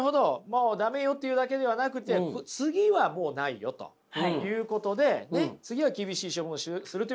「もう駄目よ」って言うだけではなくて「次はもうないよ」ということで次は厳しい処分をするということも言うわけですね。